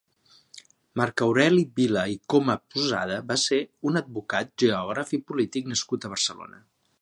Marc Aureli Vila i Comaposada va ser un advocat, geògraf i polític nascut a Barcelona.